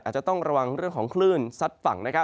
อาจจะต้องระวังเรื่องของคลื่นซัดฝั่ง